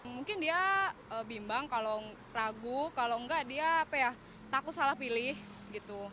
mungkin dia bimbang kalau ragu kalau enggak dia takut salah pilih gitu